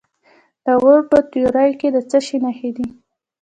د غور په تیوره کې د څه شي نښې دي؟